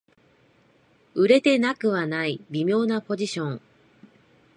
売れてなくはない微妙なポジション